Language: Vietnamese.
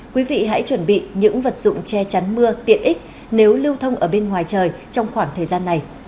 quý vị hãy chuẩn bị những vật dụng che chắn mưa tiện ích nếu lưu thông ở bên ngoài trời trong khoảng thời gian này